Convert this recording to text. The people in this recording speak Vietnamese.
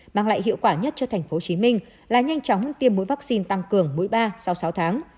mang lại hiệu quả nhất cho tp hcm là nhanh chóng tiêm mũi vaccine tăng cường mũi ba sau sáu tháng